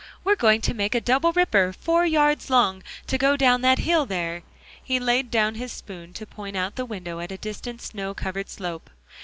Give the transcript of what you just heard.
We're going to make a double ripper, four yards long, to go down that hill there." He laid down his spoon to point out the window at a distant snow covered slope.